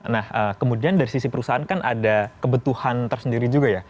nah kemudian dari sisi perusahaan kan ada kebutuhan tersendiri juga ya